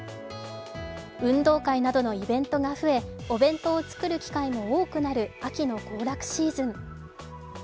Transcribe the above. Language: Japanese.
運動会などのイベントが増えお弁当を作る機会も多くなる秋の行楽シーズン。